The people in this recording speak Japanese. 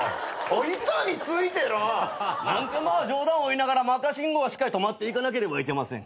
板についてら！なんてまあ冗談を言いながら赤信号はしっかり止まっていかなければいけません。